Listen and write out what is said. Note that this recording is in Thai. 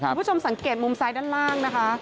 คุณผู้ชมสังเกตมุมซ้ายด้านล่างนะคะ